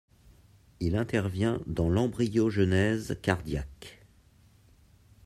Il intervient dans l'embryogenèse cardiaque.